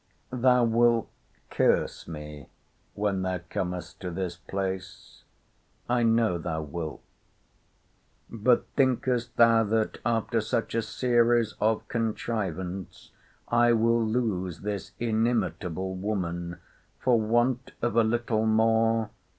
Thou wilt curse me when thou comest to this place. I know thou wilt. But thinkest thou that, after such a series of contrivance, I will lose this inimitable woman for want of a little more?